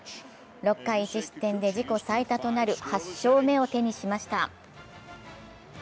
６回１失点で自己最多となる８勝目を手にしました。